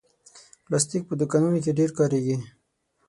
پلاستيک په دوکانونو کې ډېر کارېږي.